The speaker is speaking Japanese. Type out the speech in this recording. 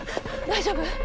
大丈夫？